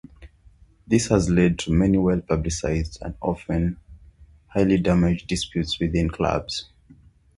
This had led to many well publicised and often, highly damaging disputes within clubs.